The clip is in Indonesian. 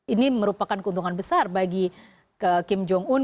ini merupakan keuntungan besar bagi kim jong un